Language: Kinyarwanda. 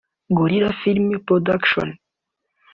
Gorilla Film Production